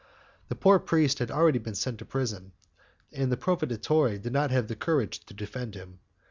The poor priest had already been sent to prison, and the proveditore had not the courage to defend him.